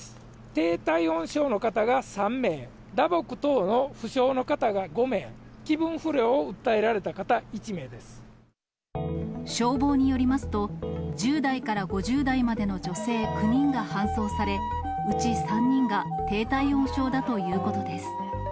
低体温症の方が３名、打撲等の負傷の方が５名、消防によりますと、１０代から５０代までの女性９人が搬送され、うち３人が低体温症だということです。